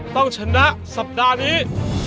ต้องชนะสัปดาห์นี้